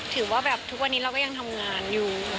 ถือว่าแบบทุกวันนี้เราก็ยังทำงานอยู่